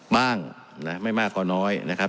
บ้างไม่มากกว่าน้อยนะครับ